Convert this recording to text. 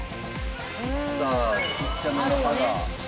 さあちっちゃめの刃が。